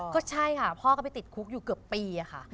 ก็ใช่ค่ะพ่อก็ไปติดคุกอยู่เกือบปีค่ะ